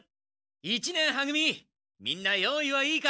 一年は組みんな用意はいいか？